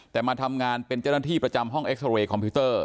แต่มาทำงานเป็นเจ้าหน้าที่ประจำห้องเอ็กซาเรย์คอมพิวเตอร์